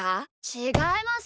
ちがいます！